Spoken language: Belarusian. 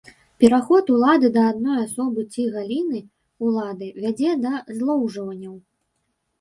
Пераход улады да адной асобы ці галіны ўлады вядзе да злоўжыванняў.